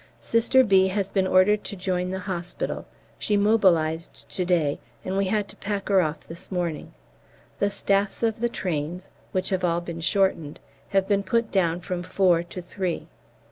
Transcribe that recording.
Sister B. has been ordered to join the hospital; she mobilised to day, and we had to pack her off this morning. The staffs of the trains (which have all been shortened) have been put down from four to three.